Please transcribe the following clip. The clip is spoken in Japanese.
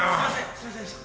すいませんでした。